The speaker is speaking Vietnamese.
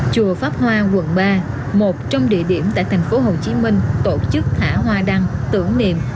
chùa pháp hoa quận ba một trong địa điểm tại thành phố hồ chí minh tổ chức thả hoa đăng tưởng niệm